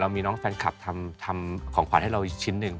มีน้องแฟนคลับทำของขวัญให้เราอีกชิ้นหนึ่ง